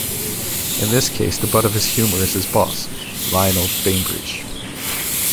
In this case the butt of his humour is his boss, Lionel Bainbridge.